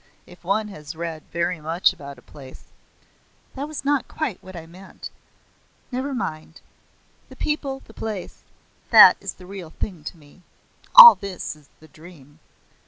"If one has read very much about a place " "That was not quite what I meant. Never mind. The people, the place that is the real thing to me. All this is the dream."